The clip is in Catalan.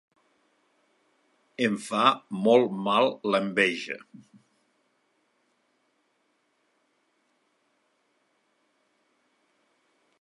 Em fa molt mal l'enveja.